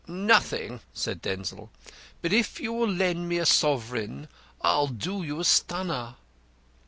"Nothing," said Denzil, "but if you will lend me a sovereign I'll do you a stunner."